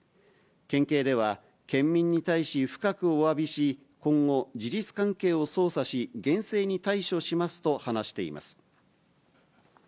県警では、県民に対し深くおわびし、今後、事実関係を捜査し、厳正に対処しますと話しています。